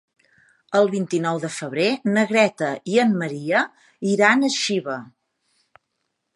El vint-i-nou de febrer na Greta i en Maria iran a Xiva.